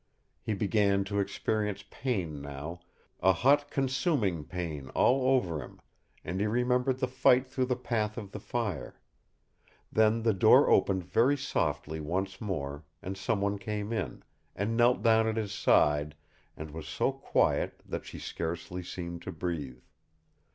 He began to experience pain now, a hot, consuming pain all over him, and he remembered the fight through the path of the fire. Then the door opened very softly once more, and some one came in, and knelt down at his side, and was so quiet that she scarcely seemed to breathe.